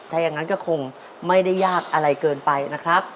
ถ้าอย่างนั้นก็คงไม่ได้ยากอะไรเกินไปนะครับ